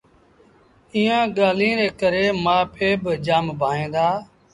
ايٚئآݩ ڳآليٚن ري ڪري مآ پي با جآم ڀائيٚݩ دآ